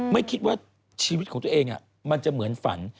ไม่คิดว่าชีวิตของตัวเองมันจะเหมือนฝัน